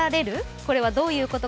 これはどういうことか。